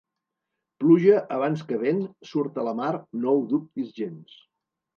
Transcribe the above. Pluja abans que vent, surt a la mar, no ho dubtis gens.